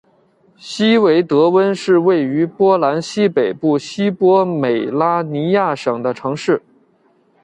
希维德温是位于波兰西北部西波美拉尼亚省的城市。